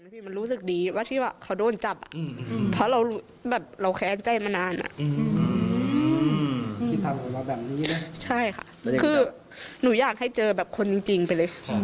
เพราะเราแค้นใจมานานอ่ะคือหนูอยากให้เจอแบบคนจริงไปเลย